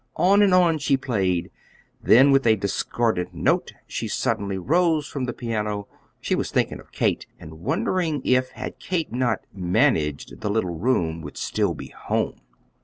On and on she played; then with a discordant note, she suddenly rose from the piano. She was thinking of Kate, and wondering if, had Kate not "managed" the little room would still be home.